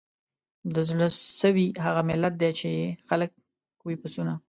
د زړه سوي هغه ملت دی چي یې خلک وي پسونه